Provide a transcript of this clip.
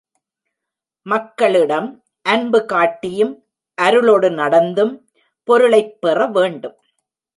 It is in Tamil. மக்களிடம் அன்பு காட்டியும், அருளொடு நடந்தும் பொருளைப் பெற வேண்டும்.